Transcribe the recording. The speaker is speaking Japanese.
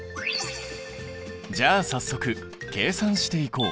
じゃあ早速計算していこう。